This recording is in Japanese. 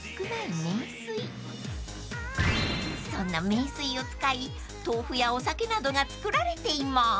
［そんな名水を使い豆腐やお酒などがつくられています］